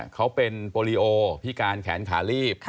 เขาเป็นโปรลีโอพิการแขนขาลีบ